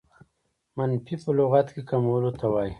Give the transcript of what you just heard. منفي په لغت کښي کمولو ته وايي.